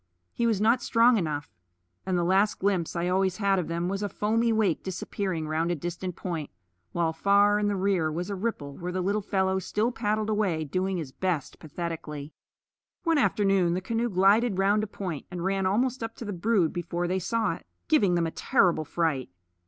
He was not strong enough; and the last glimpse I always had of them was a foamy wake disappearing round a distant point, while far in the rear was a ripple where the little fellow still paddled away, doing his best pathetically. One afternoon the canoe glided round a point and ran almost up to the brood before they saw it, giving them a terrible fright.